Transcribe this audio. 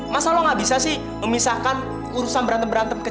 masa lo gak bisa sih memisahkan urusan berantem berantem